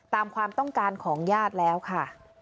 ตามความต้องการของญาติแล้วค่ะ